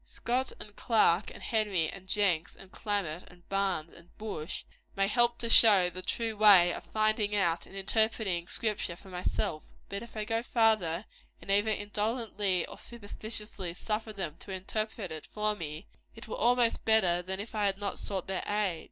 Scott, and Clarke, and Henry, and Jenks, and Calmet, and Barnes, and Bush, may help to show me the true way of finding out and interpreting the Scripture for myself; but if I go farther, and either indolently or superstitiously suffer them to interpret it for me, it were almost better that I had not sought their aid.